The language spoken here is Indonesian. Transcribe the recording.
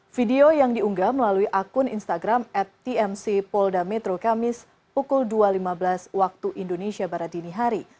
video yang diunggah melalui akun instagram at tmc polda metro kamis pukul dua lima belas waktu indonesia barat dini hari